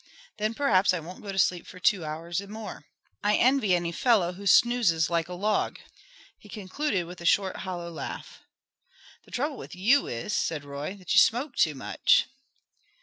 Then perhaps I won't go to sleep again for two hours or more. I envy any fellow who snoozes like a log." He concluded with a short, hollow laugh. "The trouble with you is," said Roy, "that you smoke too much."